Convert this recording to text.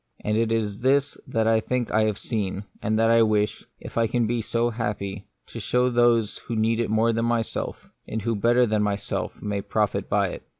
And this it is that I think I have seen, and that I wish, if I can be so happy, to show to those who need it more than myself, and who better than myself may profit by it.